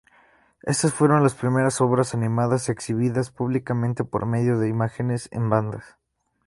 Estas fueron las primeras obras animadas exhibidas públicamente por medio de imágenes en bandas.